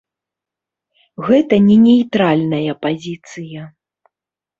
Гэта не нейтральная пазіцыя.